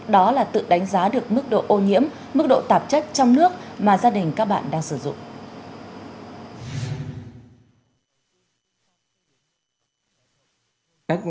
đó là tự đánh giá được mức độ ô nhiễm mức độ tạp chất trong nước mà gia đình các bạn đang sử dụng